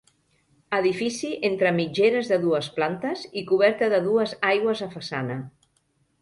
Edifici entre mitgeres de dues plantes i coberta de dues aigües a façana.